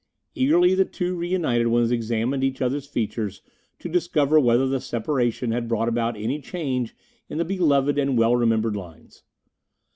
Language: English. Eagerly the two reunited ones examined each other's features to discover whether the separation had brought about any change in the beloved and well remembered lines.